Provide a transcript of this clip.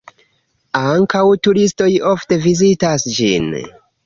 Ankaŭ turistoj ofte vizitas ĝin.